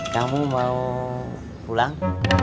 kamu mau pulang